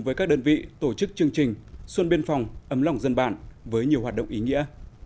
với các đơn vị tổ chức chương trình xuân biên phòng ấm lòng dân bản với nhiều hoạt động ý nghĩa